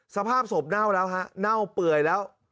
สภาพศพเน่าแล้วฮะเน่าเปื่อยแล้ว